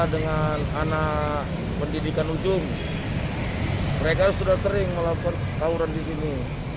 dengan anak pendidikan ujung mereka sudah sering melakukan tawuran di sini